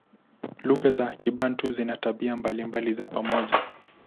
Lugha za Kibantu zina tabia mbalimbali za pamoja.